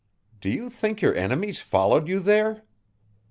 "Do you think your enemies followed you there?"